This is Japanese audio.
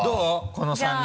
この３人。